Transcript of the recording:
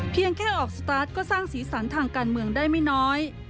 เพียงแค่ออกสตาร์ทก็สร้างสีสันทางการเมืองได้ไม่น้อย